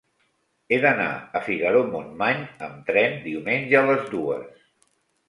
He d'anar a Figaró-Montmany amb tren diumenge a les dues.